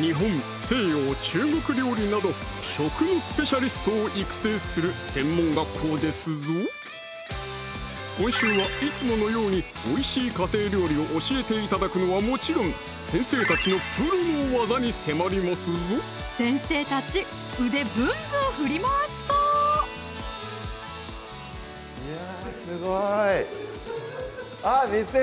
日本・西洋・中国料理など食のスペシャリストを育成する専門学校ですぞ今週はいつものように美味しい家庭料理を教えて頂くのはもちろん先生たちのプロの技に迫りますぞ先生たち腕ぶんぶん振り回しそう！いやすごいあっ簾先生！